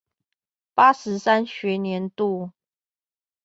八十三學年度